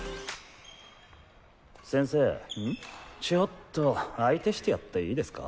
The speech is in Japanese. ちょっと相手してやっていいですか？